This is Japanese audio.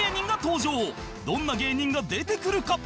どんな芸人が出てくるか？